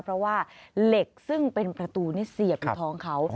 เพราะว่าเหล็กซึ่งเป็นประตูนี่เสียบอยู่ท้องเขา